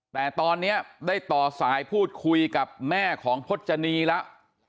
แต่ตอนนี้ได้ต่อสายพูดคุยกับแม่ของพจนีแล้ว